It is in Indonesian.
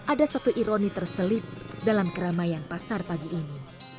ada satu ironi terselip dalam keramaian pasar pagi ini